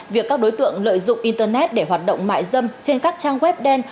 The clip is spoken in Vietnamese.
việc các đối tượng lợi dụng internet để hoạt động mại dâm trên các trang web đen